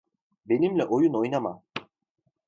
Benimle oyun oynama.